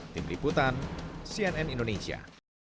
tim liputan cnn indonesia